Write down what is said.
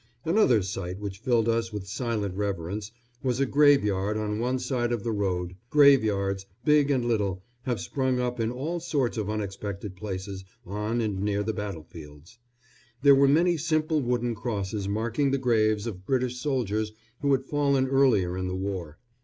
Another sight which filled us with silent reverence was a graveyard on one side of the road graveyards, big and little, have sprung up in all sorts of unexpected places on and near the battlefields. There were many simple wooden crosses marking the graves of British soldiers who had fallen earlier in the war.